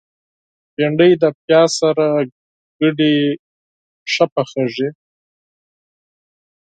بېنډۍ له پیاز سره ګډه ښه پخیږي